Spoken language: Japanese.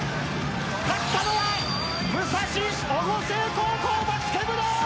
勝ったのは武蔵越生高校バスケ部でーす！